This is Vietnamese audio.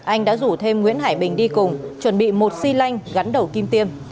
anh đã rủ thêm nguyễn hải bình đi cùng chuẩn bị một xì lanh gắn đầu kim tiêm